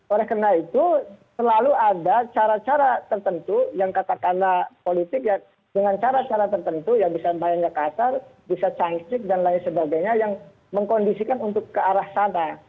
oleh karena itu selalu ada cara cara tertentu yang katakanlah politik ya dengan cara cara tertentu ya bisa bayangnya kasar bisa canggih dan lain sebagainya yang mengkondisikan untuk ke arah sana